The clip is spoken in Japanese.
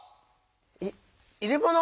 い「いれもの」